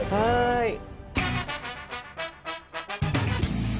はい。